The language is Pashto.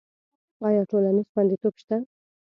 آیا ټولنیز خوندیتوب شته؟